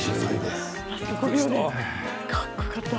かっこよかった。